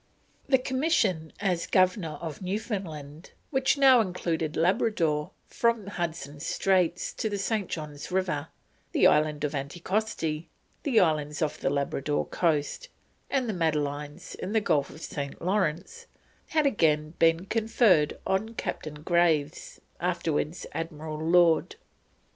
The commission as Governor of Newfoundland, which now included Labrador from Hudson's Straits to the St. John's River, the island of Anticosti, the islands off the Labrador coast, and the Madelines in the Gulf of St. Lawrence, had again been conferred on Captain (afterwards Admiral Lord) Graves.